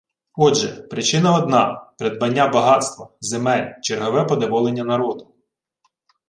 Отже, причина одна – придбання багатства, земель, чергове поневоления народу